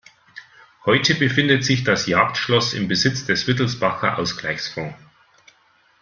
Heute befindet sich das Jagdschloss im Besitz des Wittelsbacher Ausgleichsfonds.